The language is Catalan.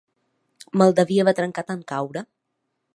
Me'l devia haver trencat en caure